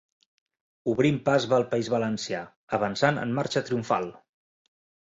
Obrint pas va el País Valencià, avançant en marxa triomfal!